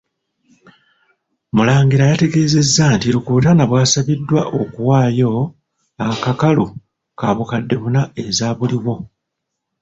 Murangira yategeezezza nti, Rukutana bwasabiddwa okuwaayo akakalu ka bukadde buna ezaabuliwo.